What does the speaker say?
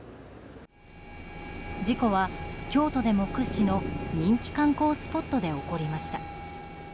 事故は京都でも屈指の人気観光スポットで起こりました。